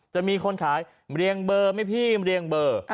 จะมีคนขายเรียงเบอร์ไหมพี่เรียงเบอร์